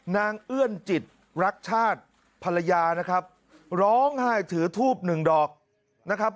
เอื้อนจิตรักชาติภรรยานะครับร้องไห้ถือทูบหนึ่งดอกนะครับ